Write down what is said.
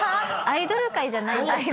アイドル界じゃない？